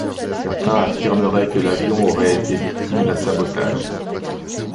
Certains affirmeraient que l'avion aurait été victime d'un sabotage.